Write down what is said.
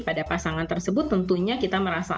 pada pasangan tersebut tentunya kita merasa